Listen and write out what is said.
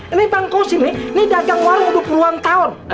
ini bang koshin nih dagang warung dua puluh an tahun